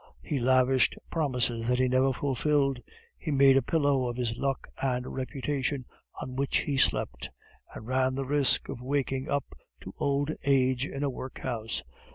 He lavished promises that he never fulfilled; he made a pillow of his luck and reputation, on which he slept, and ran the risk of waking up to old age in a workhouse.